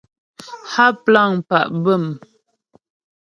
Há plâŋ pá' bə̂m.